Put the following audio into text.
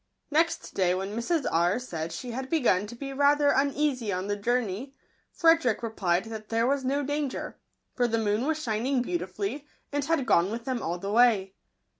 Next day, when Mrs. R. said she had begun to be rather uneasy on the journey, Frederick replied that there was no danger ; for the moon was shining beautifully, and had gone with them all the way.